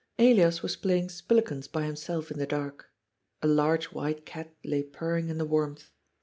Elias was playing spillikens by himself in the dark. A large white cat lay purring in the warmth.